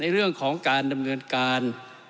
เรื่องของการดำเนินการ